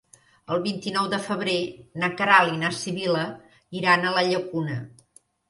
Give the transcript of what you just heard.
El vint-i-nou de febrer na Queralt i na Sibil·la iran a la Llacuna.